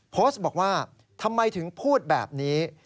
โพสต์บอกว่าทำไมถึงพูดแบบนี้